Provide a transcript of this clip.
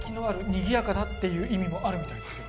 「にぎやかな」っていう意味もあるみたいですよ